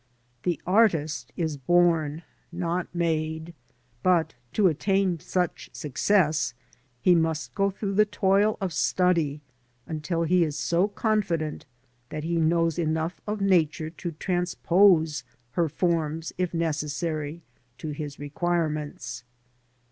The artist is bom, not made, but to attain such success, he must go through the toil of study until he is confident that he knows enough of Nature to transpose her forms if necessary to his requirements.